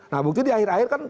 nah bukti di akhir akhir kan